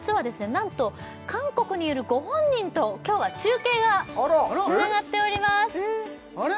なんと韓国にいるご本人と今日は中継がつながっておりますあらっ！？